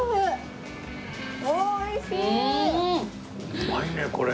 うまいねこれ。